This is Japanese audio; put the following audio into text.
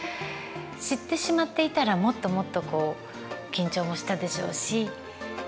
知ってしまっていたらもっともっとこう緊張もしたでしょうし。